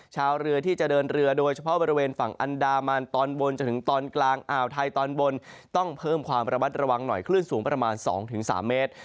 ชาวเรือที่จะเดินเรือโดยเฉพาะบริเวณฝั่งอันดามันตอนบนจนถึงตอนกลางอ่าวไทยตอนบนต้องเพิ่มความระมัดระวังหน่อยคลื่นสูงประมาณ๒๓เมตร